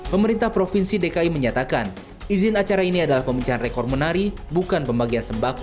pemerintah provinsi dki menyatakan izin acara ini adalah pemencahan rekor menari bukan pembagian sembako